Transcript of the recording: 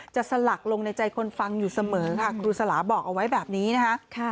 สลักลงในใจคนฟังอยู่เสมอค่ะครูสลาบอกเอาไว้แบบนี้นะคะ